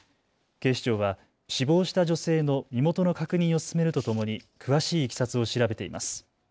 警視庁は死亡した女性の身元の確認を進めるとともに詳しいいきさつを調べています。